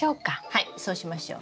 はいそうしましょう。